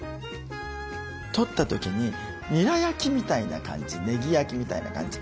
取った時ににら焼きみたいな感じねぎ焼きみたいな感じ